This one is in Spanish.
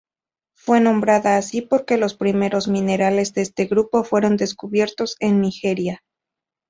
Fue nombrada así porque los primeros minerales de este grupo fueron descubiertos en Nigeria.